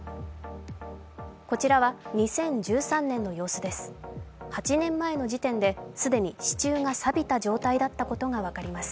こちらは２０１３年の様子です。